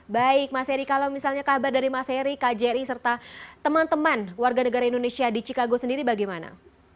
baik mas heri kalau misalnya kabar dari mas heri kjri serta teman teman warga negara indonesia di chicago sendiri bagaimana